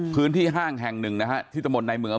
พื้นที่ห้างแห่งหนึ่งนะฮะที่ตมนต์ในเมือง